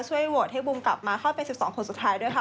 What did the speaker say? ช่วยโหวตให้บุมกลับมาค่อยเป็น๑๒คนสุดท้ายด้วยค่ะ